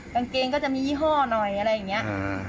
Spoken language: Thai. กางเกงก็จะมียี่ห้อหน่อยอะไรอย่างนี้